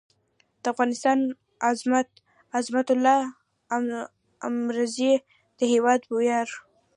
د افغانستان عظمت؛ عظمت الله عمرزی د هېواد وېاړ